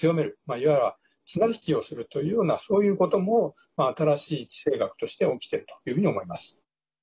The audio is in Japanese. いわば綱引きをするというようなそういうことも新しい地政学として起きてるというふうに思います。